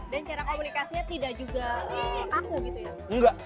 dan cara komunikasinya tidak juga kaku gitu ya